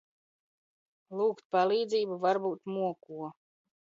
L?gt pal?dz?bu var b?t moko